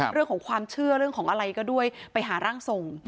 เรื่องของความเชื่อเรื่องของอะไรก็ด้วยไปหาร่างทรง